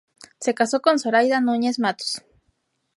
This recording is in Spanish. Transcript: Se casó con "Zoraida Núñez Matus".